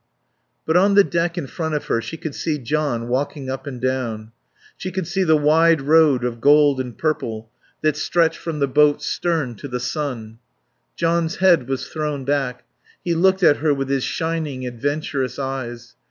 But on the deck in front of her she could see John walking up and down. She could see the wide road of gold and purple that stretched from the boat's stern to the sun. John's head was thrown back; he looked at her with his shining, adventurous eyes.